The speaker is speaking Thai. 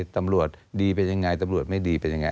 ตำรวจดีเป็นยังไงตำรวจไม่ดีเป็นยังไง